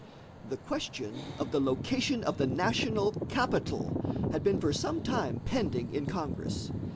The question of the location of the national capital had been for some time pending in Congress.